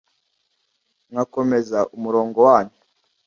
nkakomeza umurongo wanyu